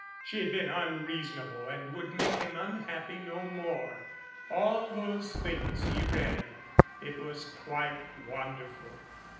She had been unreasonable and would make him unhappy no more. All those things he read. It was quite wonderful.